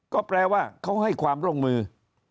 ก็แปลว่าเขาให้ความร่วมมือ